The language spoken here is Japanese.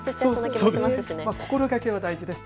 心がけが大事です。